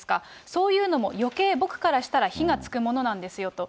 そういうのもよけい僕からしたら、火がつくものなんですよと。